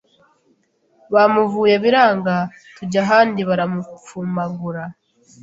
Bamuvuye biranga tujy ahandi baramupfumagura